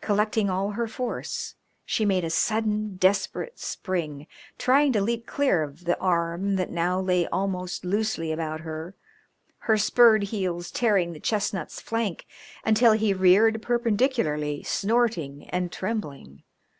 Collecting all her force she made a sudden desperate spring, trying to leap clear of the arm that now lay almost loosely about her, her spurred heels tearing the chestnut's flank until he reared perpendicularly, snorting and trembling.